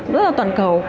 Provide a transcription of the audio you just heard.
rất là toàn cầu